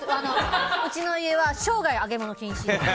うちの家は生涯揚げ物禁止。